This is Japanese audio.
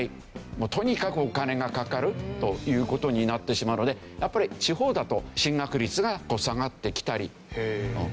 とにかくお金がかかるという事になってしまうのでやっぱり地方だと進学率が下がってきたりという。